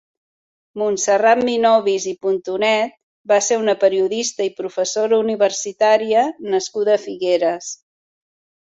Montserrat Minobis i Puntonet va ser una periodista i professora universitària nascuda a Figueres.